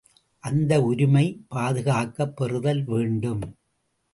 அந்த உரிமை பாதுகாக்கப் பெறுதல் வேண்டும்.